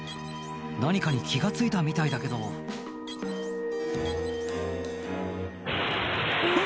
何かに気が付いたみたいだけどうわ